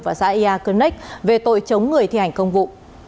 và xã ia cơn nách về tội chống người thi hành công vụ